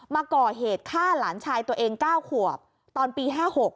มาก่อเหตุฆ่าหลานชายตัวเอง๙ขวบตอนปี๕๖